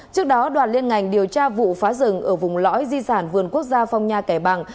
trước đó đoàn liên ngành điều tra vụ phá rừng ở vùng lõi di sản vườn quốc gia phong nha kẻ bàng